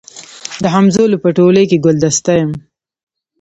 د همزولو په ټولۍ کي ګلدسته یم